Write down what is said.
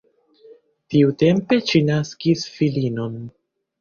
Tiutempe ŝi naskis filinon.